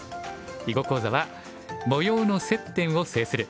囲碁講座は「模様の接点を制する」。